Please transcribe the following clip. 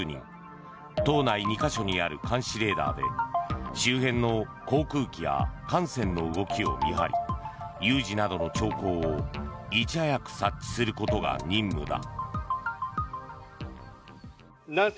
島内２か所にある監視レーダーで周辺の航空機や艦船の動きを見張り有事などの兆候をいち早く察知することが任務だ。